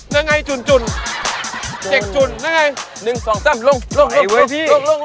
นั่งไงฉุ่นนั่งไง